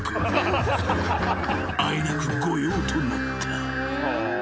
［あえなく御用となった］